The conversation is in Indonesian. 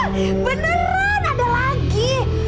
beneran ada lagi